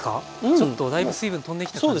ちょっとだいぶ水分飛んできた感じが。